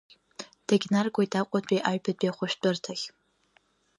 Дагьнаргоит Аҟәатәи аҩбатәи ахәшәтәырҭахь.